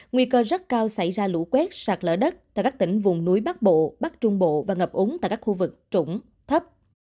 nguy cơ rất cao xảy ra lũ quét sạt lỡ đất tại các tỉnh vùng núi bắc bộ bắc trung bộ và ngập úng tại các khu vực trũng thấp